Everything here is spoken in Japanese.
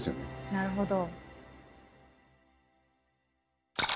なるほど。